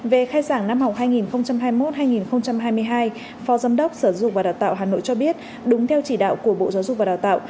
về khai giảng năm học hai nghìn hai mươi một hai nghìn hai mươi hai phó giám đốc sở giáo dục và đào tạo hà nội cho biết đúng theo chỉ đạo của bộ giáo dục và đào tạo